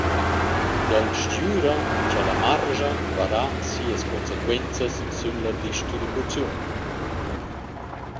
Dal sgüra cha la marscha varà sias consequenzas sün la distribuziun.